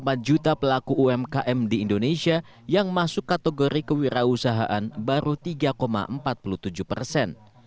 kota ini dari enam puluh empat juta pelaku umkm di indonesia yang masuk kategori kewirausahaan baru tiga empat puluh tujuh persen